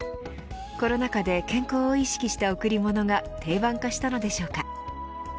コロナ禍で健康を意識した贈り物が定番化したのでしょうか。